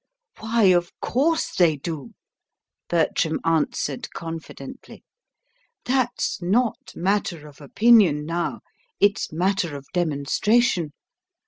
"Why, of course they do," Bertram answered confidently. "That's not matter of opinion now; it's matter of demonstration.